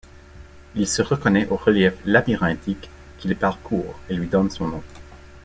Il se reconnait aux reliefs labyrinthiques qui le parcourent, et lui donnent son nom.